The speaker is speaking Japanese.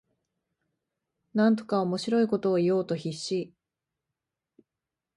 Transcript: なんとか面白いことを言おうと必死